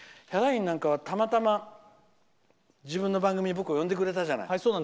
ヒャダインなんかは、たまたま自分の番組に僕を呼んでくれたじゃない。